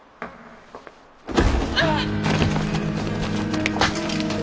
あっ！